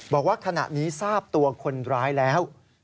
บอกว่าขณะนี้ทราบตัวคนร้ายแล้ว